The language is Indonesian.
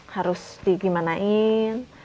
harus di gimana in